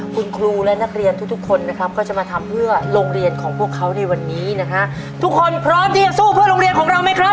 คุณครูและนักเรียนทุกทุกคนนะครับก็จะมาทำเพื่อโรงเรียนของพวกเขาในวันนี้นะฮะทุกคนพร้อมที่จะสู้เพื่อโรงเรียนของเราไหมครับ